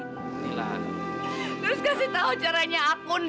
terus kasih tau caranya aku